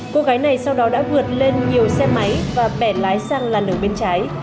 cô gái này sau đó đã vượt lên nhiều xe máy và bẻ lái sang làn đường bên trái